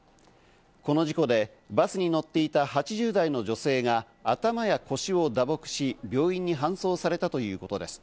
この事故でバスに乗っていた８０代の女性が頭や腰を打撲し、病院に搬送されたということです。